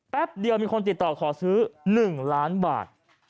เดียวมีคนติดต่อขอซื้อ๑ล้านบาท